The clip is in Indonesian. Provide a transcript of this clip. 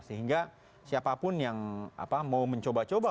sehingga siapapun yang mau mencoba coba